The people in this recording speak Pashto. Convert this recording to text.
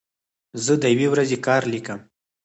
زه د یوې ورځې کار لیکم.